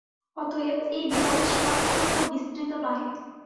অতএব এই বিবাদের সীমাক্ষেত্র খুব বিস্তৃত নহে।